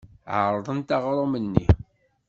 Ɛerḍent aɣrum-nni.